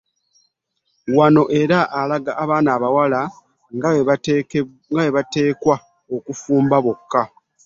Wano era alaga abaana abawala nga bwe bateekwa okwefuga bokka.